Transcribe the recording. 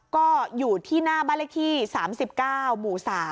ก็อยู่ที่หน้าบ้านเลขที่๓๙หมู่๓